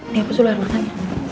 nih apa sulit matanya